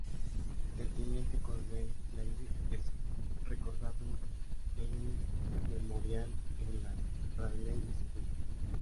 El teniente coronel Blair es recordado en un memorial en la Radley School.